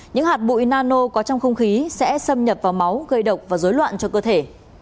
những hạt bụi nano có trong không khí sẽ xâm nhập vào máu gây độc và dối loạn cho cơ thể